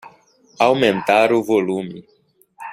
Aumentar o volume.